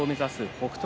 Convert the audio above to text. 北勝